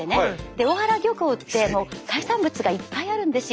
大原漁港って海産物がいっぱいあるんですよ。